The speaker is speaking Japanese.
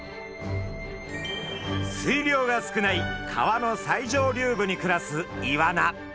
水量が少ない川の最上流部に暮らすイワナ。